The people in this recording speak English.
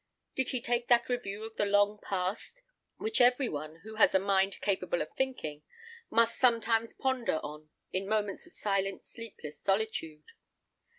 Did he take that review of the long past, which every one, who has a mind capable of thinking, must sometimes ponder on in moments of silent, sleepless solitude?